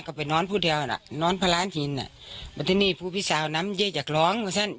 ก็ไปน้อนปู่แดกนั้นน้อนพระราชินธรรมิสาวน้อจากล้องก่อนเจอบ้าง